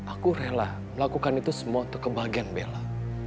aku rela melakukan itu semua untuk kebahagiaan bella